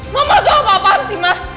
mama gue apa paham sih mah